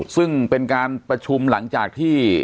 ซึ่งเป็นการประชุมหลังจากที่